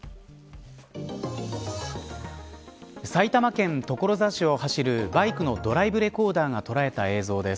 埼玉県所沢市を走るバイクのドライブレコーダーを捉えた映像です。